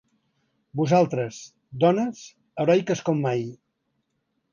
Vosaltres, dones, heroiques com mai.